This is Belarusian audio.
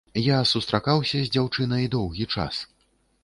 Я сустракаўся з дзяўчынай доўгі час.